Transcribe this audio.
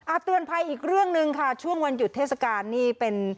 เตือนภัยอีกเรื่องหนึ่งค่ะช่วงวันหยุดเทศกาลนี่เป็น